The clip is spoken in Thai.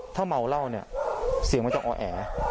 ถ้าเมาเล่าเนี่ยเสียงมาจากอ๋อแอ